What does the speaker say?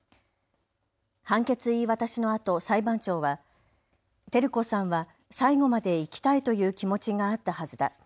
判決言い渡しのあと、裁判長は照子さんは最後まで生きたいという気持ちがあったはずだ。